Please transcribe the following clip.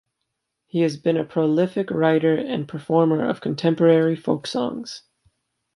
He has been a prolific writer and performer of contemporary folk songs.